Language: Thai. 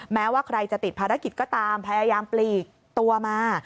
แม้ว่าใครจะติดภารกิจก็ตามพยายามปลีกตัวมา